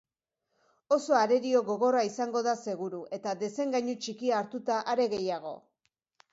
Oso arerio gogorra izango da seguru, eta desengainu txikia hartuta are gehiago.